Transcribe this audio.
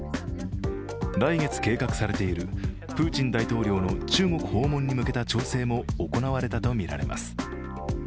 来月計画されているプーチン大統領の中国訪問に向けた調整も行われたとみられます。